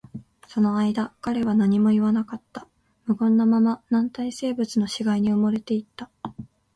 その間、彼は何も言わなかった。無言のまま、軟体生物の死骸に埋もれていった。